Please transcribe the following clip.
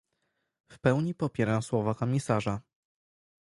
W pełni popieram słowa komisarza